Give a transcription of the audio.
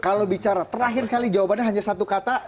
kalau bicara terakhir sekali jawabannya hanya satu kata